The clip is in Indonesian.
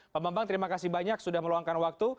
pak bambang terima kasih banyak sudah meluangkan waktu